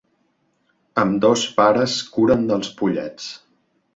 Ambdós pares curen dels pollets.